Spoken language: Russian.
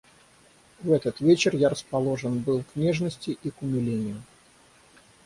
В этот вечер я расположен был к нежности и к умилению.